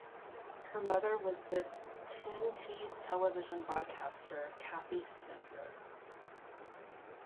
Her mother was the Tyne Tees Television broadcaster Kathy Secker.